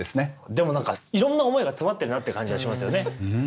でもなんかいろんな思いが詰まってるなって感じがしますよね。